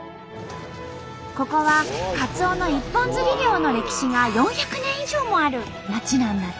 ここはカツオの一本釣り漁の歴史が４００年以上もある町なんだって！